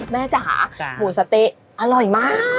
จ๋าหมูสะเต๊ะอร่อยมาก